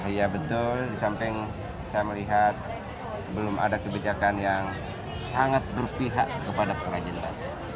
iya betul disamping saya melihat belum ada kebijakan yang sangat berpihak kepada para jendela